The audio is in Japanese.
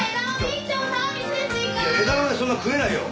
いや枝豆そんな食えないよ。